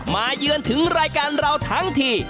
เยือนถึงรายการเราทั้งที